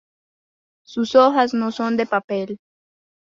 Sus hojas no son de papel.